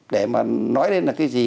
để mà nói lên là cái gì